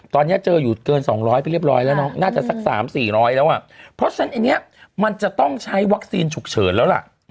ตอนนี้เจออยู่เกิน๒๐๐ไปเรียบร้อยแล้วเนาะน่าจะสัก๓๔๐๐แล้วอ่ะเพราะฉะนั้นอันนี้มันจะต้องใช้วัคซีนฉุกเฉินแล้วล่ะ